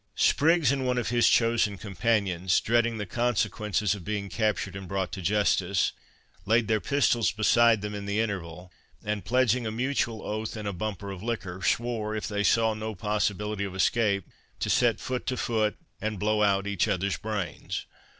Spriggs and one of his chosen companions dreading the consequences of being captured and brought to justice, laid their pistols beside them in the interval, and pledging a mutual oath in a bumper of liquor, swore, if they saw no possibility of escape, to set foot to foot, and blow out each other's brains.